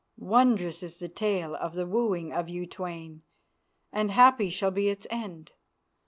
Wondrous is the tale of the wooing of you twain and happy shall be its end.